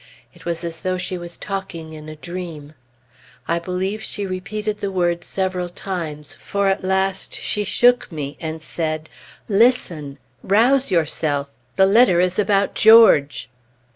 It was as though she was talking in a dream. I believe she repeated the words several times, for at last she shook me and said, "Listen! Rouse yourself! the letter is about George!"